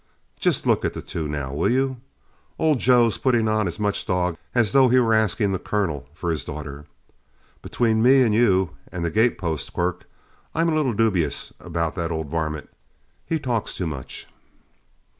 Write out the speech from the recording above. Just look at the two now, will you? Old Joe's putting on as much dog as though he was asking the Colonel for his daughter. Between me and you and the gatepost, Quirk, I'm a little dubious about the old varmint he talks too much."